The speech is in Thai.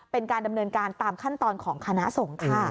เป็นการดำเนินการตามขั้นตอนของคณะสงฆ์ค่ะ